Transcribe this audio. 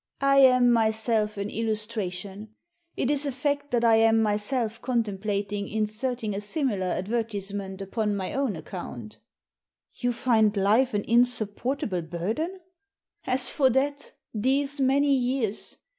I am myself an illustration. It is a fact that I am myself contemplating inserting a similar advertisement upon my own account" " You find life an insupportable burden ?"" As for that, these many years